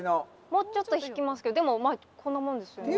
もうちょっと引きますけどでもこんなもんですよね。